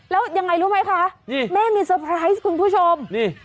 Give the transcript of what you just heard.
แล้วยังไงรู้ไหมคะนี่แม่มีเตอร์ไพรส์คุณผู้ชมนี่